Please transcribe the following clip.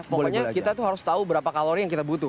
pokoknya kita tuh harus tahu berapa kalori yang kita butuh